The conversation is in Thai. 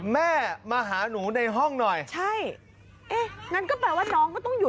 แม่ไอ้แม่มาหาแม่หน่อยมาหาแม่หน่อย